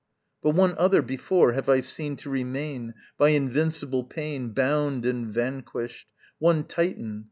But one other before, have I seen to remain By invincible pain Bound and vanquished, one Titan!